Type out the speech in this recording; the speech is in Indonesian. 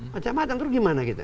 macam mana terus gimana kita